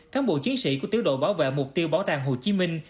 các bộ chiến sĩ của tiểu đùi bảo vệ mục tiêu bảo tàng hồ chí minh